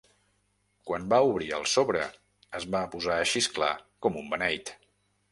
Quan va obrir el sobre es va posar a xisclar com un beneit.